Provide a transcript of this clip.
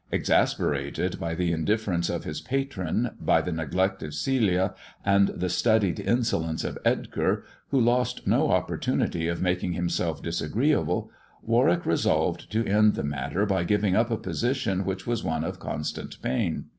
Exasperated by the in difference of his patron, by the neglect of Celia, and the studied insolence of Edgar, who lost no opportunity of making himself disagreeable, Warwick resolved to end the matter by giving up a position which was one of constant pain.